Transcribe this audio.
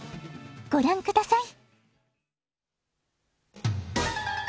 ごらんください！